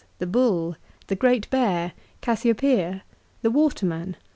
"The Bull" "The Great Bear." "Cassiopeia." "The Waterman."